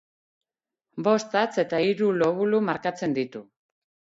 Bost hatz eta hiru lobulu markatzen ditu.